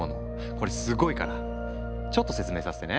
これすごいからちょっと説明させてね。